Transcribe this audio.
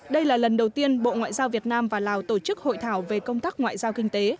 đây là lần đầu tiên bộ ngoại giao việt nam và lào tổ chức hội thảo về công tác ngoại giao kinh tế